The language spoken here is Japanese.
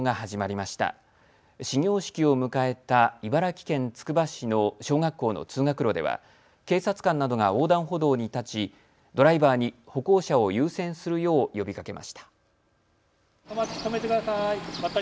始業式を迎えた茨城県つくば市の小学校の通学路では警察官などが横断歩道に立ちドライバーに歩行者を優先するよう呼びかけました。